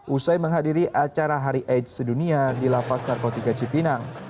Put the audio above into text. usai menghadiri acara hari aids sedunia di lapas narkotika cipinang